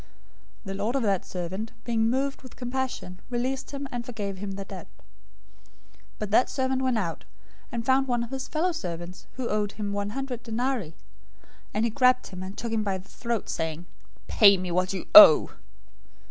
018:027 The lord of that servant, being moved with compassion, released him, and forgave him the debt. 018:028 "But that servant went out, and found one of his fellow servants, who owed him one hundred denarii,{100 denarii was about one sixtieth of a talent.} and he grabbed him, and took him by the throat, saying, 'Pay me what you owe!'